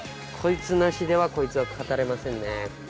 こいつなしではこいつは語れませんね。